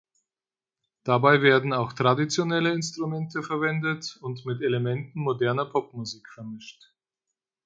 Dabei werden auch traditionelle Instrumente verwendet und mit Elementen moderner Popmusik vermischt.